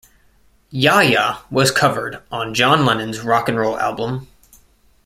"Ya Ya" was covered on John Lennon's "Rock 'n' Roll" album.